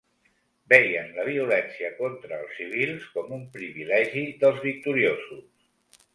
Veien la violència contra els civils com un privilegi dels victoriosos.